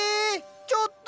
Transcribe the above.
ちょっと！